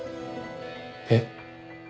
えっ。